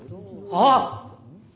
あっ！